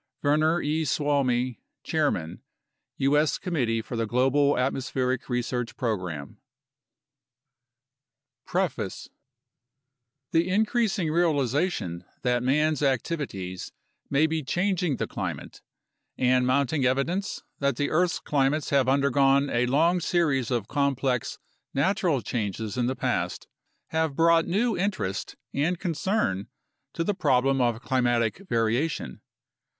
verner e. suomi, Chairman U.S. Committee for the Global Atmospheric Research Program PREFACE The increasing realization that man's activities may be changing the climate, and mounting evidence that the earth's climates have undergone a long series of complex natural changes in the past, have brought new interest and concern to the problem of climatic variation.